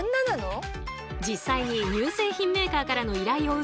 実際に乳製品メーカーからの依頼を受け